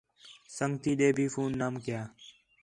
سنڳتی ݙے بھی فون نام کَیا